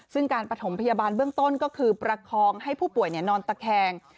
ซึ่งการประถมพยาบาลเบื้องต้นก็คือประคองให้ผู้ป่วยนอนตะแคง